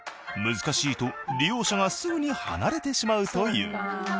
難しいと利用者がすぐに離れてしまうという。